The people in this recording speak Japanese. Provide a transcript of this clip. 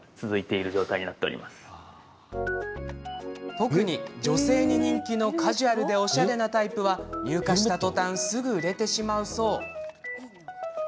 特に、女性に人気のカジュアルでおしゃれなタイプは入荷したとたんすぐ売れてしまうそう。